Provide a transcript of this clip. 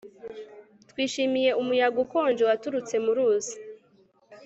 Twishimiye umuyaga ukonje waturutse mu ruzi